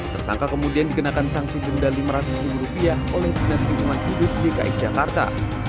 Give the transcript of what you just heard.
tersangka kemudian dikenakan sanksi denda lima ratus ribu rupiah oleh dinas lingkungan hidup dki jakarta